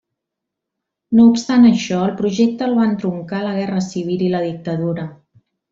No obstant això, el projecte el van truncar la Guerra Civil i la dictadura.